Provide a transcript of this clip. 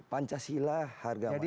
pancasila harga mati